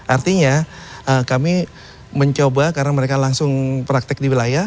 artinya kami mencoba karena mereka langsung praktek di wilayah